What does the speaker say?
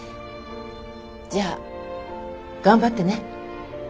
じゃあ頑張ってね。